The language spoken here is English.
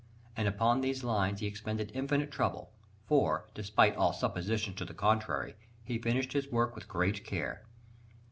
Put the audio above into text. And upon these lines he expended infinite trouble; for, despite all suppositions to the contrary, he finished his work with great care.